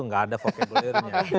tidak ada vocabularinya